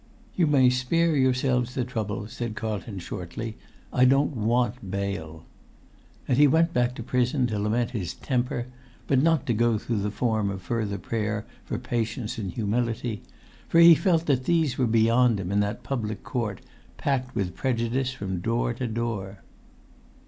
"You may spare yourselves the trouble," said Carlton shortly. "I don't want bail." And he went back to prison to lament his temper, but not to go through the form of further prayer for patience and humility; for he felt that these were beyond him in that public court, packed with prejudice from door to door.